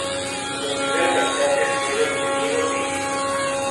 Los primeros habitantes fueron griegos de Egipto.